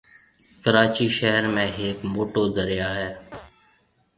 ڪراچِي شهر ۾ هيَڪ موٽو دريا هيَ۔